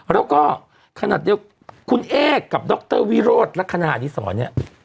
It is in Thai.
แล้วก็ขนาดเดียวคุณเอ๊กับดรวิโรธลักษณะอดีศรเนี่ย